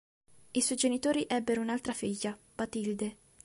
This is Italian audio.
I suoi genitori ebbero un'altra figlia, Batilde.